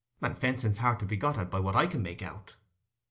And fencing's hard to be got at, by what I can make out."